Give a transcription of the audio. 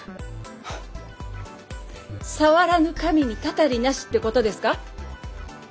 フッ「触らぬ神に祟りなし」ってことですか？